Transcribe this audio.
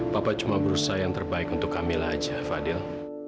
papa cuma berusaha yang terbaik untuk kamil aja fadil